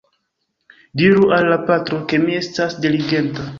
Diru al la patro, ke mi estas diligenta.